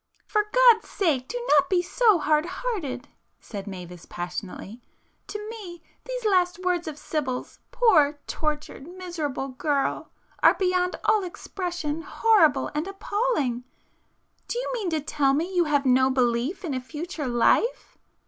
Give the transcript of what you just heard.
"For God's sake do not be so hard hearted!"—said Mavis passionately—"To me these last words of Sibyl's,—poor, tortured, miserable girl!—are beyond all expression horrible and appalling. Do you mean to tell me you have no belief in a future life?"